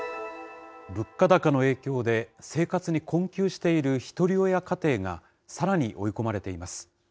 物価高の影響で、生活に困窮しているひとり親家庭がさらに追い込まれています。